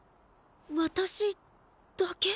私だけ？